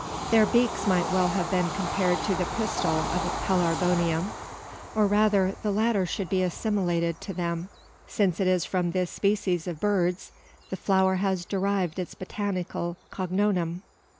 Their beaks might well have been compared to the pistil of a pelargonium; or rather the latter should be assimilated to them; since it is from this species of birds, the flower has derived its botanical cognomen.